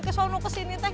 kesono kesini teh